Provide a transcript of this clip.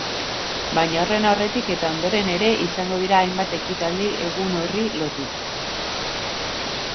Baina horren aurretik eta ondoren ere izango dira hainbat ekitaldi egun horri lotuta.